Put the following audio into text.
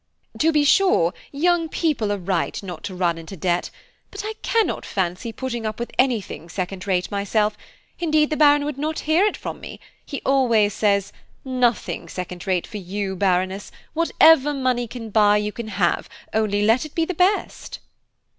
"To be sure, young people are right not to run into debt; but I cannot fancy putting up with anything second rate myself, indeed the Baron would not hear it from me, he always says, 'Nothing second rate for you, Baroness; whatever money can buy, you can have, only let it be the best.'"